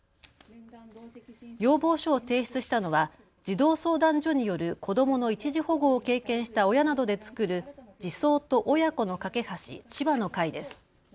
要望書を提出したのは児童相談所による子どもの一時保護を経験した親などで作る児相と親子の架け橋千葉の会です。